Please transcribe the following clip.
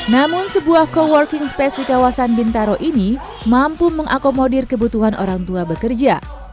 namun sebuah co working space di kawasan bintaro ini mampu mengakomodir kebutuhan orang tua bekerja